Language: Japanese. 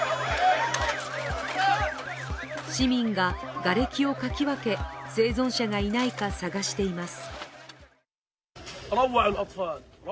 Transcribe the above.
市民ががれきをかき分け生存者がいないか捜しています。